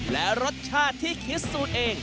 และรสชาติที่คิดสูตรเอง